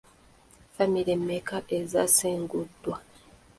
Famire mmeka ezaasenguddwa?